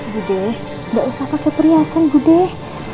bu deh enggak usah pakai perhiasan bu deh